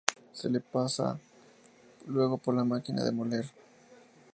Se la pasa luego por la máquina de moler.